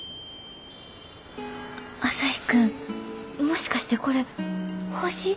朝陽君もしかしてこれ星？